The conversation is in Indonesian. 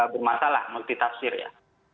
bermasalah multitafsir ya